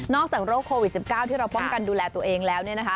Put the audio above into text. นอกจากโรคโควิด๑๙ที่เราป้องกันดูแลตัวเองแล้ว